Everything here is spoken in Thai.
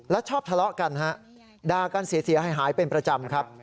และชอบทะเลาะกันฮะด่ากันเสียหายเป็นประจำครับ